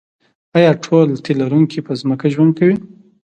ایا ټول تی لرونکي په ځمکه ژوند کوي